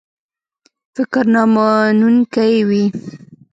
فکر نامنونکی وي.